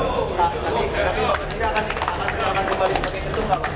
tapi tapi tapi kita akan kembali sebagai ketua pak